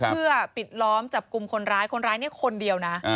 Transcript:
เพื่อปิดล้อมจับกลุ่มคนร้ายคนร้ายเนี่ยคนเดียวนะ